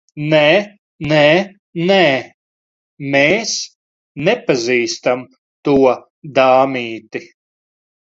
Nē, nē, nē. Mēs nepazīstam to dāmīti.